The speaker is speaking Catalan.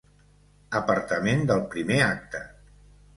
Apartament del primer acte.